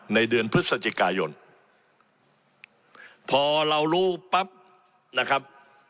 ในเดือนพฤศจิกายนพอเรารู้ปั๊บนะครับ